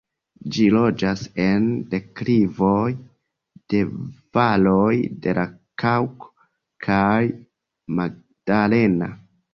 Ĝi loĝas en deklivoj de valoj de la Kaŭko kaj Magdalena.